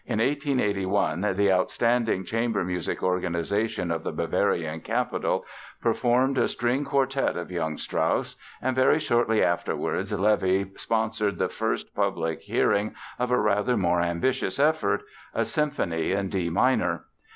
In 1881 the outstanding chamber music organization of the Bavarian capital performed a string quartet of young Strauss and very shortly afterwards Levi sponsored the first public hearing of a rather more ambitious effort, a symphony in D minor.